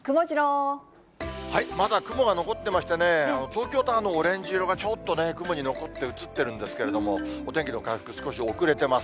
まだ雲が残ってましてね、東京タワーのオレンジ色がちょっとね、雲に残ってうつってるんですけれども、お天気の回復、少し遅れています。